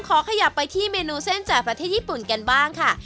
ขยับไปที่เมนูเส้นจากประเทศญี่ปุ่นกันบ้างค่ะ